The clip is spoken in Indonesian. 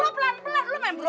nah gua pelan pelan